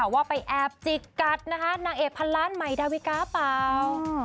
ว่าไปแอบจิกกัดนะคะนางเอกพันล้านใหม่ดาวิกาเปล่า